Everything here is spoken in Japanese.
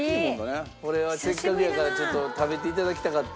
これはせっかくやからちょっと食べて頂きたかった。